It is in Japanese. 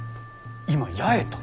今八重と。